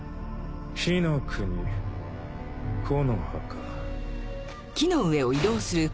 火の国木ノ葉か。